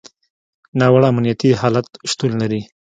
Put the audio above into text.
ناوړه امنیتي حالت شتون لري.